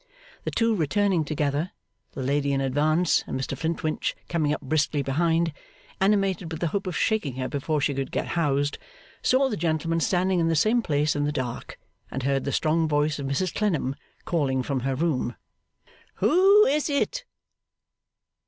The two returning together the lady in advance, and Mr Flintwinch coming up briskly behind, animated with the hope of shaking her before she could get housed saw the gentleman standing in the same place in the dark, and heard the strong voice of Mrs Clennam calling from her room, 'Who is it?